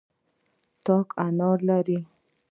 تاک انګور لري.